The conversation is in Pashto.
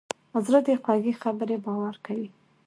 زړه د خوږې خبرې باور کوي.